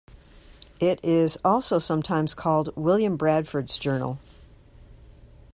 It is also sometimes called "William Bradford's Journal".